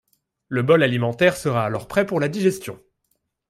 Le bol alimentaire sera alors prêt pour la digestion.